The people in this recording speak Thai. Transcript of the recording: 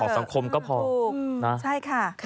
ถูกใช่ค่ะ